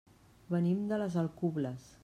Venim de les Alcubles.